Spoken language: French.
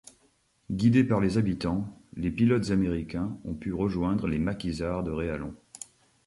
Guidés par les habitants, les pilotes américains ont pu rejoindre les maquisards de Réallon.